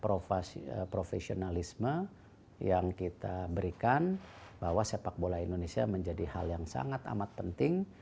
profesionalisme yang kita berikan bahwa sepak bola indonesia menjadi hal yang sangat amat penting